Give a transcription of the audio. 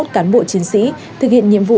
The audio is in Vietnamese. cán bộ chiến sĩ thực hiện nhiệm vụ